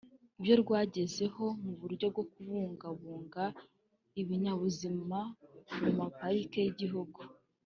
ibyo rwagezeho mubyo kubungabunga ibinyabuzima mu maparike y’igihugu